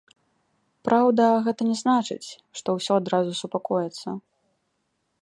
Праўда, гэта не значыць, што ўсё адразу супакоіцца.